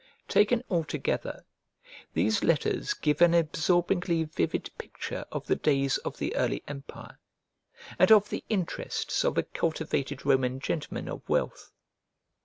Taken altogether, these letters give an absorbingly vivid picture of the days of the early empire, and of the interests of a cultivated Roman gentleman of wealth.